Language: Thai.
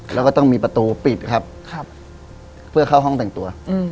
แล้วก็ต้องมีประตูปิดครับเพื่อเข้าห้องแต่งตัว